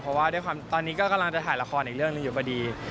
เพราะว่าด้วยความตอนนี้ก็กำลังจะถ่ายละครอีกเรื่องหนึ่งอยู่พอดี